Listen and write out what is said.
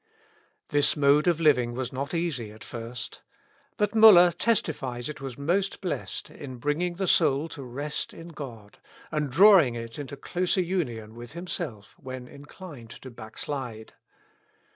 This mode of living was not easy at first. But Muller testifies it was most blessed in bringing the soul to rest in God, and drawing it into closer union with Himself when inclined to backslide.